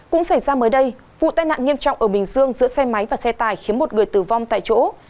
cũng xảy ra mới đây vụ tai nạn nghiêm trọng ở bình dương giữa xe máy và xe tải khiến một người tử vong tại chỗ